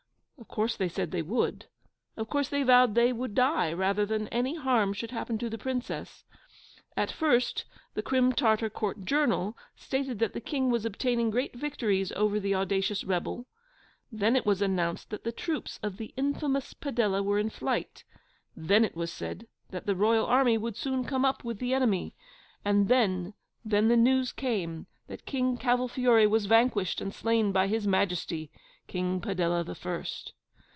Of course they said they would. Of course they vowed they would die rather than any harm should happen to the Princess. At first the Crim Tartar Court Journal stated that the King was obtaining great victories over the audacious rebel: then it was announced that the troops of the infamous Padella were in flight: then it was said that the royal army would soon come up with the enemy, and then then the news came that King Cavolfiore was vanquished and slain by His Majesty, King Padella the First!